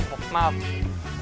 hahaha kena mimpuk maaf